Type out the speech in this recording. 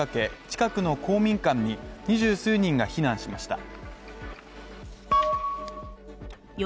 近くの公民館に二十数人が避難しました。